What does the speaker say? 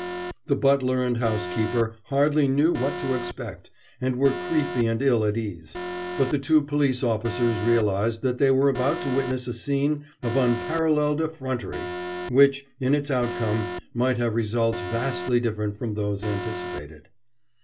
The butler and housekeeper hardly knew what to expect, and were creepy and ill at ease, but the two police officers realized that they were about to witness a scene of unparalleled effrontery, which, in its outcome, might have results vastly different from those anticipated.